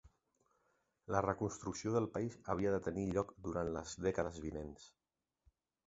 La reconstrucció del país havia de tenir lloc durant les dècades vinents.